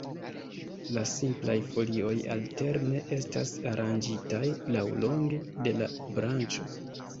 La simplaj folioj alterne estas aranĝitaj laŭlonge de la branĉo.